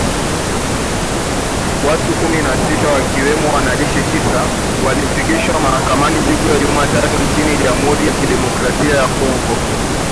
Watu kumi na sita ,wakiwemo wanajeshi tisa, walifikishwa mahakamani siku ya Jumatatu nchini Jamuhuri ya Kidemokrasia ya Kongo